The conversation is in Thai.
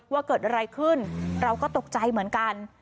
ว่าเกิดอะไรขึ้นเราก็ตกใจเหมือนกัน